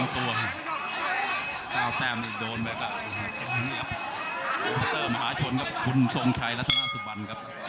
พระเจ้ามหาชนครับคุณสงชัยรัฐนาศุบันครับ